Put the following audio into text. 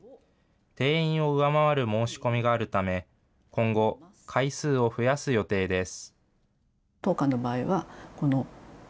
定員を上回る申し込みがあるため、今後、回数を増やす予定です。